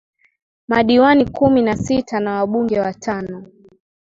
Madiwani kumi na sita na Wabunge watano